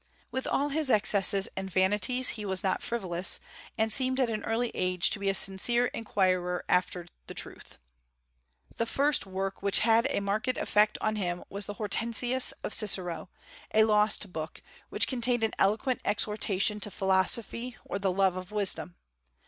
With all his excesses and vanities, he was not frivolous, and seemed at an early age to be a sincere inquirer after truth. The first work which had a marked effect on him was the "Hortensius" of Cicero, a lost book, which contained an eloquent exhortation to philosophy, or the love of wisdom.